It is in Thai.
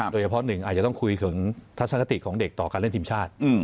โดยเฉพาะหนึ่งอาจจะต้องคุยถึงทัศนคติของเด็กต่อการเล่นทีมชาติ